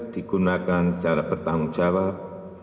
digunakan secara bertanggung jawab